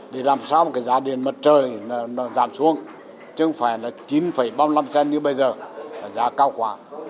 để làm sao giá điện mật trời giảm xuống chứ không phải là chín ba mươi năm cent như bây giờ là giá cao quả